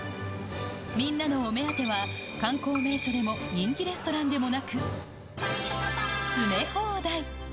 みんなのお目当ては、観光名所でも人気レストランでもなく、詰め放題。